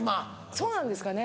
そうなんですかね？